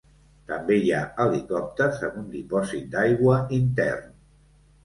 També hi ha helicòpters amb un dipòsit d'aigua intern.